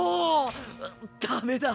ダメだ。